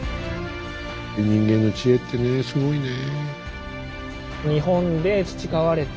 人間の知恵ってねすごいね。